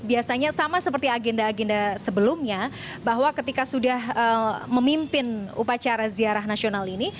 biasanya sama seperti agenda agenda sebelumnya bahwa ketika sudah memimpin upacara ziarah nasional ini